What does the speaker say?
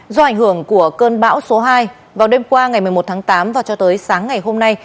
do ảnh hưởng của cơn bão số hai vào đêm qua ngày một mươi một tháng tám và cho tới sáng ngày hôm nay